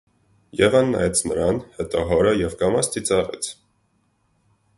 Եվան նայեց նրան, հետո հորը և կամաց ծիծաղեց: